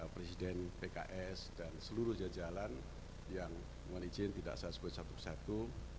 presiden pks dan seluruh jajalan yang mengalih izin tidak salah sebut satu satu